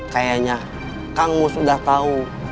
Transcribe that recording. kayaknya kang mus sudah tahu